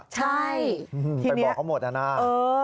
ใช่ไปบอกเขาหมดในอนาคต